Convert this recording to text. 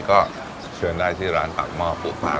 ก็เชิญได้ที่ร้านปากหม้อปูผะ